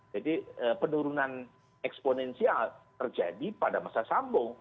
jadi penurunan eksponensial terjadi pada masa sambung